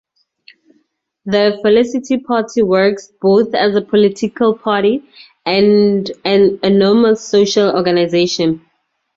The Felicity Party works both as a political party and an enormous social organization.